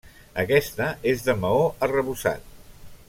Aquesta és de maó arrebossat.